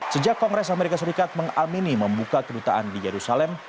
sejak kongres amerika serikat mengamini membuka kedutaan di yerusalem